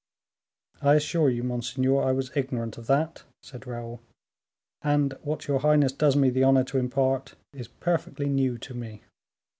"I assure you, monseigneur, I was ignorant of that," said Raoul, "and what your highness does me the honor to impart is perfectly new to me."